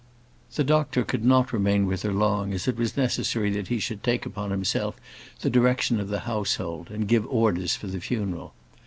The doctor could not remain with her long, as it was necessary that he should take upon himself the direction of the household, and give orders for the funeral.